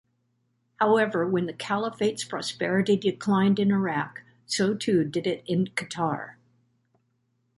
However, when the caliphate's prosperity declined in Iraq, so too did it in Qatar.